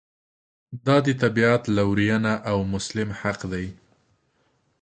دا د طبعیت لورېینه او مسلم حق دی.